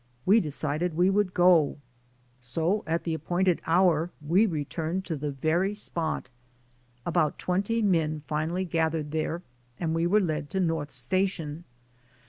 We decided we would go; 80 THE SOUL OF AN. IMMIGRANT so at the appointed hour we returned to the very spot. About twenty men finally gathered there and we were led to North Station.